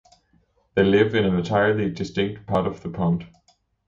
They live in an entirely distinct part of the pond.